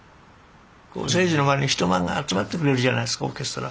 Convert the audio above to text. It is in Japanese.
征爾の周りに人が集まってくれるじゃないですかオーケストラ。